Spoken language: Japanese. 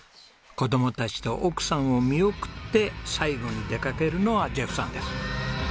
子供たちと奥さんを見送って最後に出かけるのはジェフさんです。